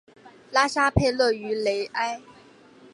拉沙佩勒于雷埃。